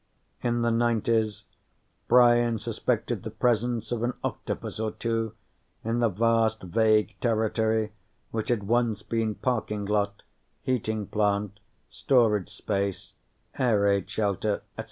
In the '90s, Brian suspected the presence of an octopus or two in the vast vague territory which had once been parking lot, heating plant, storage space, air raid shelter, etc.